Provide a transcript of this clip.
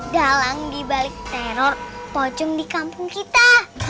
dalang di balik teror pojong di kampung kita